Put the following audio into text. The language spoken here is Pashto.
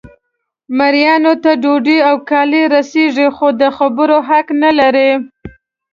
مریانو ته ډوډۍ او کالي رسیږي خو د خبرو حق نه لري.